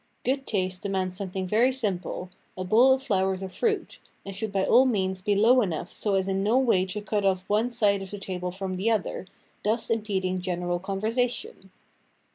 Good taste demands something very simple, a bowl of flowers or fruit, and should by all means be low enough so as in no way to cut off one side of the table from the other, thus impeding gen eral conversation.